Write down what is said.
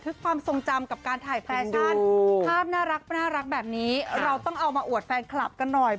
เช่นเห็นที่ถ่ายแฟชั่นเส้นกันไปเรียบร้อยเลย